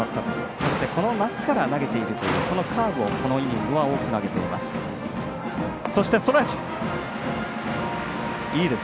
そして、この夏から投げているというカーブをこのイニングは多く投げています。